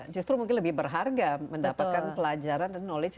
justru mungkin lebih berharga mendapatkan pelajaran dan knowledge